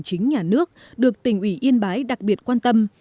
chính nhà nước được tỉnh ủy yên bái đặc biệt quan tâm